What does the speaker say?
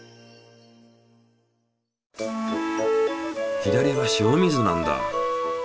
左は塩水なんだ。